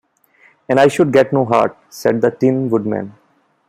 "And I should get no heart," said the Tin Woodman.